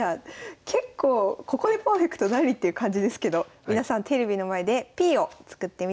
結構ここでパーフェクト何？っていう感じですけど皆さんテレビの前でＰを作ってみてください。